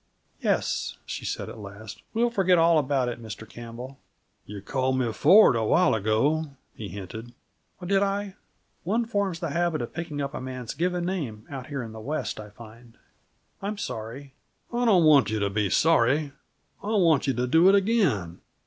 "Yes," she said at last, "we'll forget all about it, Mr. Campbell." "You called me Ford, a while ago," he hinted. "Did I? One forms the habit of picking up a man's given name, out here in the West, I find. I'm sorry " "I don't want you to be sorry. I want you to do it again.